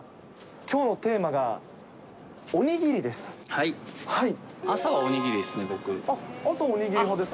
きょうのテーマがおにぎりです。